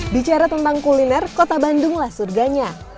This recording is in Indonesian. bicara tentang kuliner kota bandung lah surganya